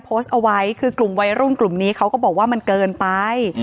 โพสต์เอาไว้คือกลุ่มวัยรุ่นกลุ่มนี้เขาก็บอกว่ามันเกินไป